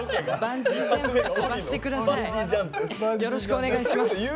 よろしくお願いします。